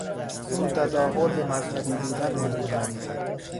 او تظاهر به مذهبی بودن میکند.